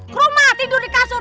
ke rumah tidur di kasur